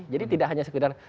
jadi tidak hanya sekedar